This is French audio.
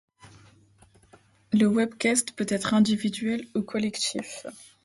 Le webquest peut être individuel ou collectif.